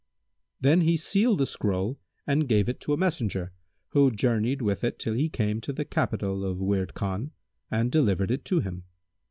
Then he sealed the scroll and gave it to a messenger, who journeyed with it till he came to the capital of Wird Khan and delivered it to him.